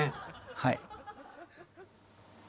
はい。